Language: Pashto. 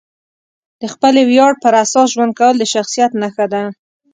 د خپلې ویاړ پر اساس ژوند کول د شخصیت نښه ده.